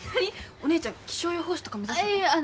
お姉ちゃん気象予報士とか目指すの？